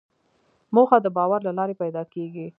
موخه د باور له لارې پیدا کېږي.